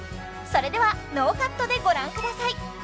それではノーカットでご覧ください